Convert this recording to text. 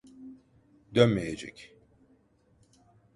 Dönmeyecek.